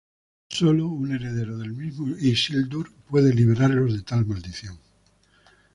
Solo un heredero del mismo Isildur puede liberarlos de tal maldición.